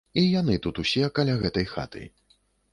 І яны тут усе каля гэтай хаты.